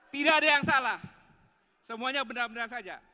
tidak ada yang salah semuanya benar benar saja